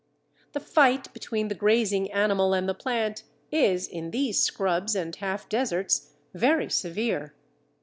The fight between the grazing animal and the plant is, in these scrubs and half deserts, very severe.